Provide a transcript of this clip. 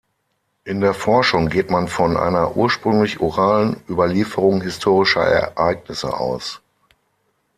In der Forschung geht man von einer ursprünglich oralen Überlieferung historischer Ereignisse aus.